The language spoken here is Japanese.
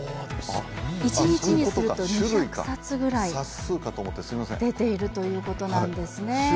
一日にすると２００冊ぐらい出ているということなんですね。